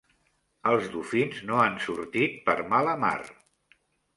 Els dofins no han sortit per mala mar.